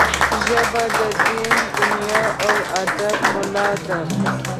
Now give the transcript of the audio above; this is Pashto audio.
ژبه د دین، دنیا او ادب ملا ده